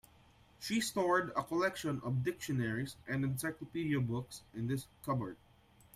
She stored a collection of dictionaries and encyclopedia books in this cupboard.